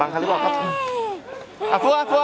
ค่ะสู่ค่ะสู่